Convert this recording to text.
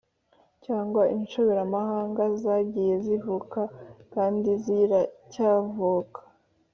cyangwa inshoberamahanga zagiye zivuka kandi ziracyavuka.”